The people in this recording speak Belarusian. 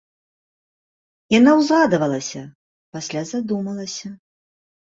Яна ўзрадавалася, пасля задумалася.